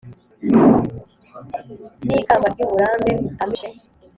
N'ikamba ry'uburambe utamirije